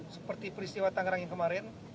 seperti peristiwa tangerang yang kemarin